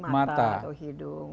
mata atau hidung